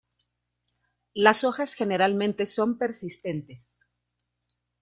Las hojas generalmente son persistentes.